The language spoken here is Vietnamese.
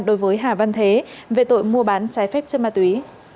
đối với hà văn thế về tội mua bán trái phép chất ma túy